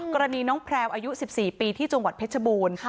กรณีน้องแพลวอายุ๑๔ปีที่จังหวัดเพชรบูรณ์